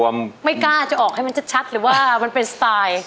ไม่กล้าจะออกให้มันชัดเลยว่ามันเป็นสไตล์